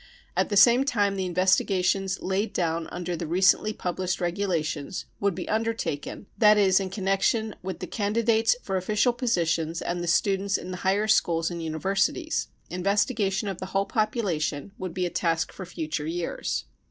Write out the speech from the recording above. At the same time, the investigations laid down under the recently published, regulations would be undertaken, that is, in connection with the candidates for official positions and the students in the higher schools and universities. Investiga tion of the whole population would be a task for future years.